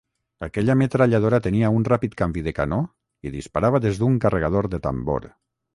Aquella metralladora tenia un ràpid canvi de canó i disparava des d’un carregador de tambor.